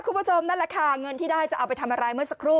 คุณผู้ชมนั่นแหละค่ะเงินที่ได้จะเอาไปทำอะไรเมื่อสักครู่